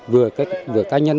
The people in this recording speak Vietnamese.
vừa cá nhân